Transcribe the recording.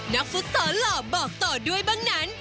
ฟุตซอลหล่อบอกต่อด้วยบ้างนั้น